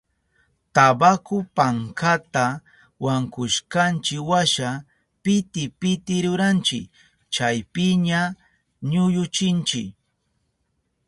Tabaku pankata wankushkanchiwasha piti piti ruranchi, chaypiña ñuyuchinchi.